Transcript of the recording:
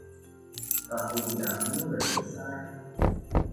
Tahu di angin berkisar